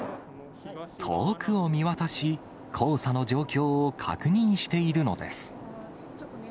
遠くを見渡し、黄砂の状況を確認しているのです。